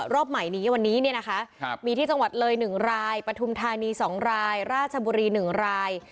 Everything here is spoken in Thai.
รอบใหม่นี้วันนี้เนี่ยนะคะครับมีที่จังหวัดเลยหนึ่งรายปฐุมธานีสองรายราชบุรีหนึ่งราย